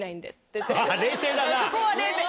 冷静だな。